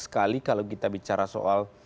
sekali kalau kita bicara soal